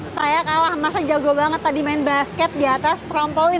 saya kalah masa jago banget tadi main basket di atas trampoly